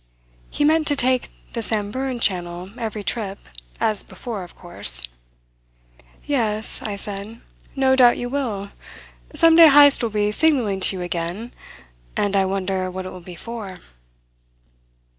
He meant to take the Samburan channel every trip, as before of course. "Yes," I said. "No doubt you will. Some day Heyst will be signalling to you again; and I wonder what it will be for."